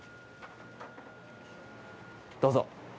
どうぞ。